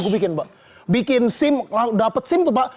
bikin sim dapet sim tuh pak